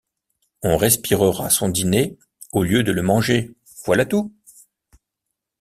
On respirera son dîner au lieu de le manger, voilà tout!